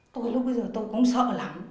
tôi lúc bây giờ tôi cũng sợ lắm